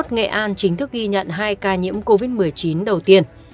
nghệ an chính thức ghi nhận hai ca nhiễm covid một mươi chín đầu tiên